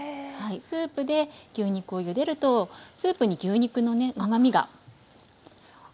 スープで牛肉をゆでるとスープに牛肉のね甘みが増しますね。